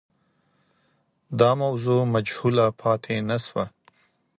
دا موضوع مجهوله پاتې نه سوه.